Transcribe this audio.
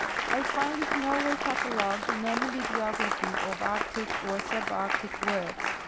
I find it nowhere catalogued in any bibliography of arctic or subarctic works.